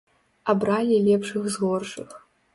Абралі лепшых з горшых.